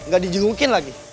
gak dijerukin lagi